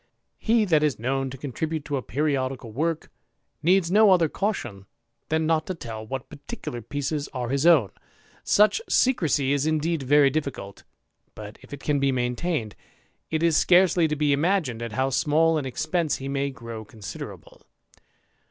He that is known to contribute to a periodical woikd needs no other caution than not to tell what particul^^ pieces are his own ; such secrecy is indeed very difl&cul'rr but if it can be maintained, it is scarcely to be imagined how small an expence he may grow considerable.